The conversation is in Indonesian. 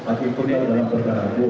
apikpun dalam perkara agung